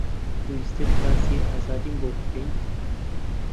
ویستت باسی ئازادیم بۆ بکەیت؟